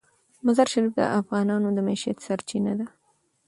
مزارشریف د افغانانو د معیشت سرچینه ده.